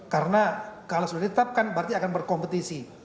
karena kalau sudah ditetapkan berarti akan berkompetisi